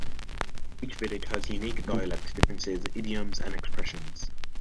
Each village has unique dialect differences, idioms, and expressions.